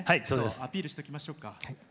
アピールしておきましょうか。